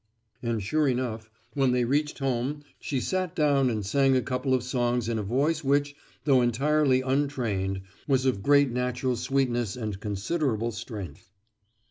And sure enough when they reached home she sat down and sang a couple of songs in a voice which, though entirely untrained, was of great natural sweetness and considerable strength.